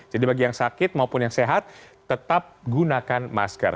jadi bagi yang sakit maupun yang sehat tetap gunakan masker